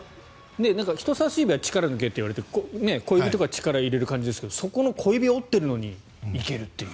人さし指は力抜けって言われて小指に力入れろっていうのにそこの小指は折っているのに行けるという。